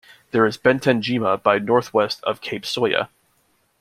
There is Benten-jima by northwest of Cape Soya.